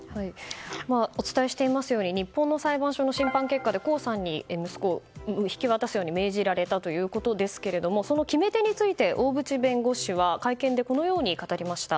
お伝えしていますように日本の裁判所の審判結果で江さんに、息子を引き渡すように命じられたということですがその決め手について大渕弁護士は会見でこう語りました。